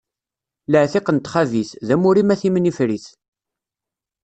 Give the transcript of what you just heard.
Laɛtiq n txabit, d amur-im a timnifrit.